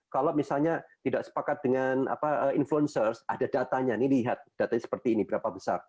kalau misalnya tidak sepakat dengan influencers ada datanya ini lihat datanya seperti ini berapa besar